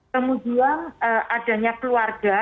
kemudian adanya keluarga